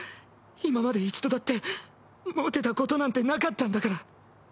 今まで一度だってモテたことなんてなかったんだから。